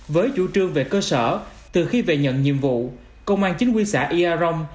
với chủ trương về cơ sở từ khi về nhận nhiệm vụ công an chính quy xã ia rong